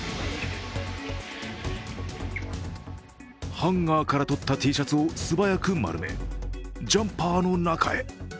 ハンガーからとったＴシャツを素早く丸めジャンパーの中へ。